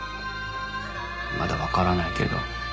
まだわからないけど。